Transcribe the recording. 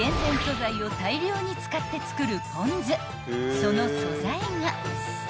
［その素材が］